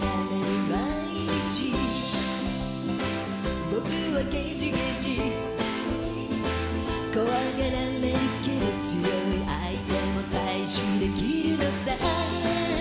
毎日僕はゲジゲジ怖がられるけど強い相手も退治できるのさＡｈ